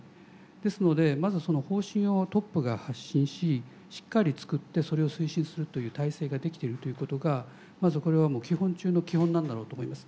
ですのでまず方針をトップが発信ししっかり作ってそれを推進するという体制ができているということがまずこれはもう基本中の基本なんだろうと思います。